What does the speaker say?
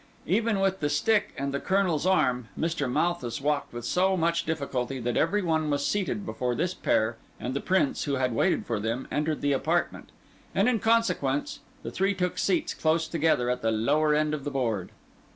Even with the stick and the Colonel's arm, Mr. Malthus walked with so much difficulty that every one was seated before this pair and the Prince, who had waited for them, entered the apartment; and, in consequence, the three took seats close together at the lower end of the board.